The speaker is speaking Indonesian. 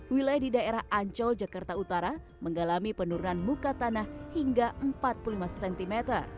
wilayah di daerah ancol jakarta utara mengalami penurunan muka tanah hingga empat puluh lima cm